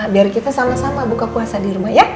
biar kita sama sama buka puasa di rumah ya